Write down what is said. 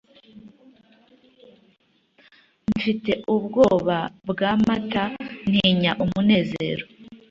Mfite ubwoba bwa Mata ntinya umunezero